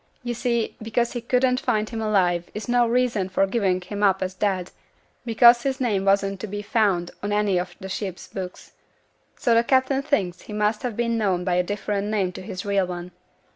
'You see, because he couldn't find him alive is no reason for giving him up as dead; because his name wasn't to be found on any of the ships' books; so the captain thinks he must have been known by a different name to his real one.